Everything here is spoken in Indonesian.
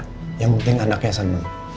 ya yang penting anaknya senang